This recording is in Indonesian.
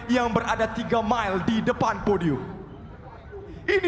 dengan acara sala versi